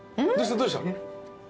どうした？